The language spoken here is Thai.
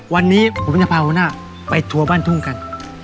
วันนี้ผมจะพาหัวหน้าไปทัวร์บ้านทุ่งกัน